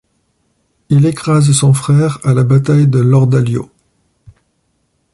Il écrase son frère à la bataille de l'Ordalio.